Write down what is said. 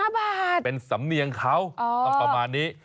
๕บาทเป็นสำเนียงเขาต้องประมาณนี้